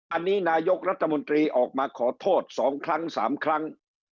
อันนี้นายกรัฐมนตรีออกมาขอโทษ๒ครั้ง๓ครั้ง